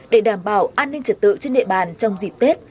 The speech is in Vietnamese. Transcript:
để đảm bảo an ninh trật tự trên địa bàn trong dịp tết